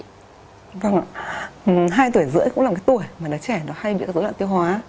vâng ạ hai tuổi rưỡi cũng là một tuổi mà đứa trẻ hay bị dối loạt tiêu hóa